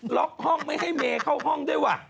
ห้องไม่ให้เมเข้าห้องด้วยวะ